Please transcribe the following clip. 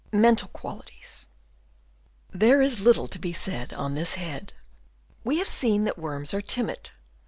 Mental Qualities. — There is little to be said on this head. We have seen that worms are timid.